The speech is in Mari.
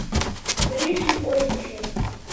ГРИШЫН ОЙГЫЖО